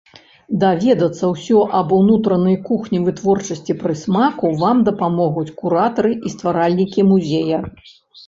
Даведацца ўсё аб унутранай кухні вытворчасці прысмаку вам дапамогуць куратары і стваральнікі музея.